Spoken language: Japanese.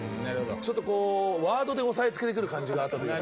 ちょっとこうワードで押さえつけてくる感じがあったというか。